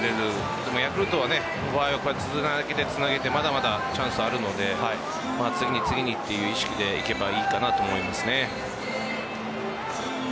でも、ヤクルトはまだまだチャンスはあるので次に次にという意識でいけばいいかなと思います。